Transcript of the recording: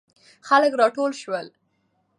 خلک راټول سول.